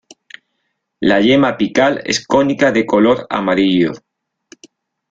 La yema apical es cónica de color amarillo.